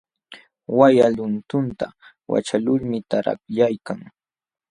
Walla luntunta waćhaqlulmi tarakyaykan.